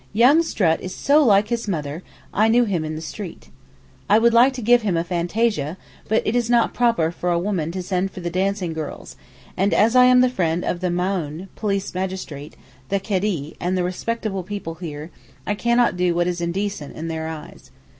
Young Strutt is so like his mother I knew him in the street. I would like to give him a fantasia, but it is not proper for a woman to send for the dancing girls, and as I am the friend of the Maōhn (police magistrate), the Kadee, and the respectable people here, I cannot do what is indecent in their eyes.